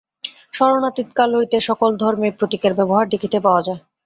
স্মরণাতীত কাল হইতে সকল ধর্মেই প্রতীকের ব্যবহার দেখিতে পাওয়া যায়।